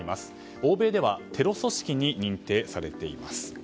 欧米ではテロ組織に認定されています。